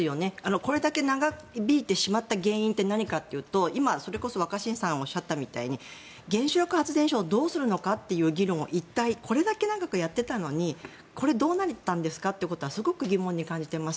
これだけ長引いてしまった原因が何かというと今それこそ若新さんがおっしゃったように原子力発電所をどうするのかという議論をずっとやっていたのにどうなったんですかというのはすごく疑問に感じています。